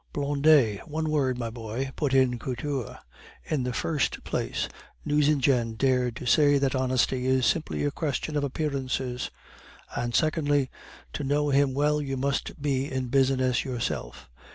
"Blondet one word, my boy," put in Couture. "In the first place, Nucingen dared to say that honesty is simply a question of appearances; and secondly, to know him well you must be in business yourself.